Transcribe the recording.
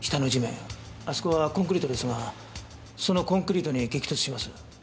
あそこはコンクリートですがそのコンクリートに激突します。